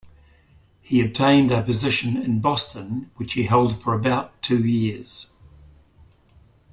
He obtained a position in Boston, which he held for about two years.